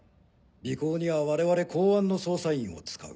尾行には我々公安の捜査員を使う。